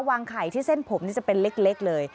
วางไข่ที่เส้นผมนี่จะเป็นเล็กเลย